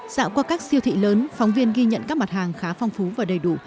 dạo qua các siêu thị lớn phóng viên ghi nhận các mặt hàng khá phong phú và đầy đủ